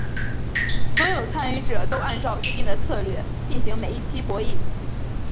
所有参与者都按照预定的策略进行每一期博弈。